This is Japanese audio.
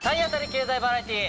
経済バラエティー。